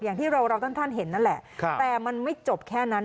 อย่างที่เราท่านเห็นนั่นแหละแต่มันไม่จบแค่นั้น